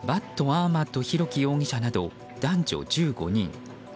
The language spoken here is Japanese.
アーマッド裕樹容疑者など男女１５人。